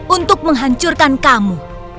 untuk menghancurkan kamu